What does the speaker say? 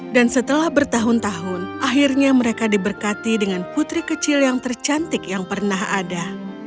dan setelah bertahun tahun akhirnya mereka diberkati dengan putri kecil yang tercantik yang pernah ada